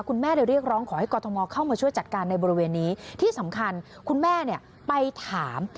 คุณแม่เลยเรียกร้องขอให้กรทมเข้ามาช่วยจัดการในบริเวณนี้ที่สำคัญคุณแม่เนี่ยไปถาม